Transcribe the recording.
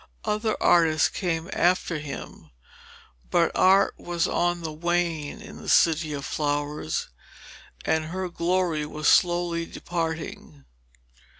Other artists came after him, but Art was on the wane in the City of Flowers, and her glory was slowly departing.